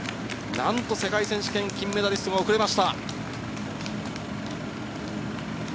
世界選手権、金メダリストがなんと遅れました。